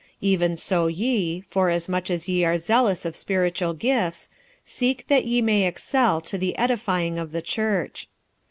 46:014:012 Even so ye, forasmuch as ye are zealous of spiritual gifts, seek that ye may excel to the edifying of the church.